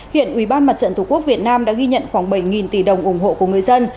hiện ubnd đã ghi nhận khoảng bảy tỷ đồng ủng hộ của người dân